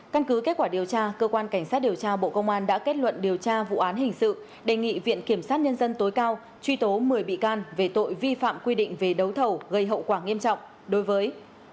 căn cứ kết quả điều tra cơ quan cảnh sát điều tra bộ công an đã kết luận điều tra vụ án hình sự đề nghị viện kiểm sát nhân dân tối cao truy tố một mươi bị can về tội vi phạm quy định về đấu thầu gây hậu quả nghiêm trọng đối với